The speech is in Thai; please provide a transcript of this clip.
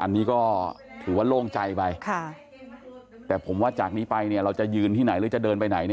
อันนี้ก็ถือว่าโล่งใจไปค่ะแต่ผมว่าจากนี้ไปเนี่ยเราจะยืนที่ไหนหรือจะเดินไปไหนเนี่ย